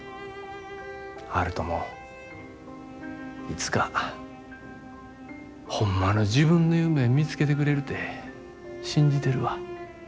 悠人もいつかホンマの自分の夢見つけてくれるて信じてるわ。